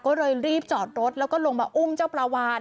ก็เลยรีบจอดรถแล้วก็ลงมาอุ้มเจ้าปลาวาน